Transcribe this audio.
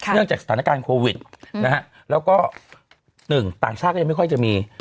จากสถานการณ์โควิดนะฮะแล้วก็หนึ่งต่างชาติก็ยังไม่ค่อยจะมี